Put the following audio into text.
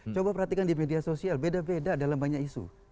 coba perhatikan di media sosial beda beda dalam banyak isu